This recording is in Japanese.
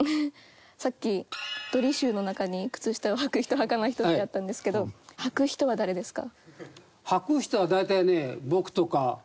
さっきドリシューの中に靴下をはく人はかない人ってあったんですけどはく人は誰ですか？